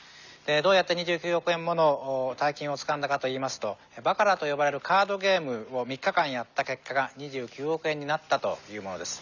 どうやって２９億円もの大金をつかんだかといいますとバカラと呼ばれるカードゲームを３日間やった結果が２９億円になったというものです。